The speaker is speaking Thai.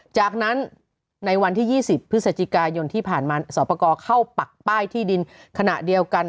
จากนั้นในวันที่๒๐พฤศจิกายนที่ผ่านมาสอบประกอบเข้าปักป้ายที่ดินขณะเดียวกัน